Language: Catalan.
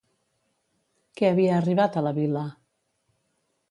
Què havia arribat a la vila?